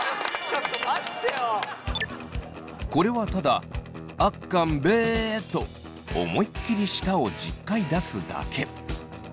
これはただあっかんべぇーと思いっきり舌を１０回出すだけ！